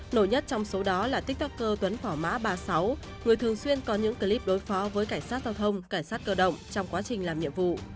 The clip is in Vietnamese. nổi nhất trong số đó là tiktoker tuấn phỏ mã ba mươi sáu người thường xuyên có những clip đối phó với cảnh sát giao thông cảnh sát cơ động trong quá trình làm nhiệm vụ